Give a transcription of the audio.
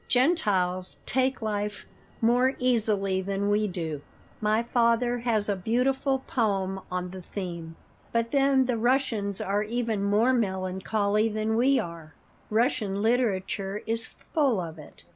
Gentiles take life more easily than we do. My father has a beautiful poem on the theme. But then the Russians are even more melancholy than we are. Russian literature is full of it.